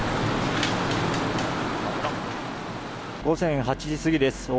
午前８時過ぎです。